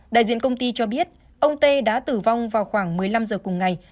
đại diện công ty cho biết ông tê đã tử vong vào khoảng một mươi năm giờ cùng ngày